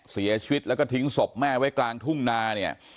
เสียชีวิตแล้วก็ทิ้งศพแม่ไว้กลางทุ่งนาเนี่ย